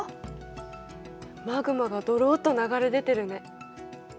マグマがドロッと流れ出てるね。